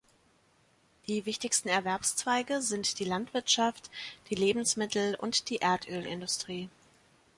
Die wichtigsten Erwerbszweige sind die Landwirtschaft, die Lebensmittel- und die Erdölindustrie.